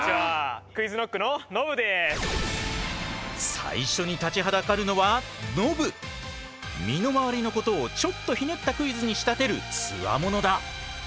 最初に立ちはだかるのは身の回りのことをちょっとひねったクイズに仕立てるつわものだ。